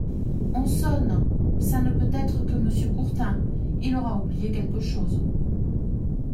On sonne ! ça ne peut être que Monsieur Courtin !… il aura oublié quelque chose.